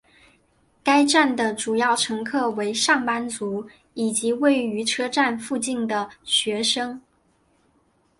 该站的主要乘客为上班族以及位于车站附近的的学生。